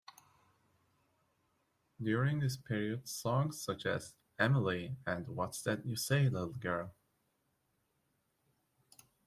During this period songs such as "Emily" and "What's That You Say Little Girl?